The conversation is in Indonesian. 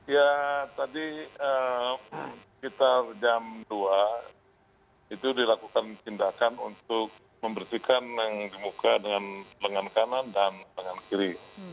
ya tadi sekitar jam dua itu dilakukan tindakan untuk membersihkan yang di muka dengan lengan kanan dan lengan kiri